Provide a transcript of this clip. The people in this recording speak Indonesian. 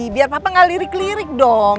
biar papa gak lirik lirik dong